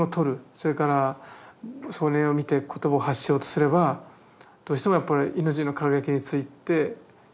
それからそれを見て言葉を発しようとすればどうしてもやっぱり命の輝きについてそれを表現してしまう。